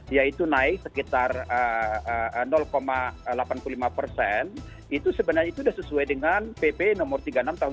yaitu naik sekitar delapan puluh lima persen itu sebenarnya itu sudah sesuai dengan pp no tiga puluh enam tahun dua ribu dua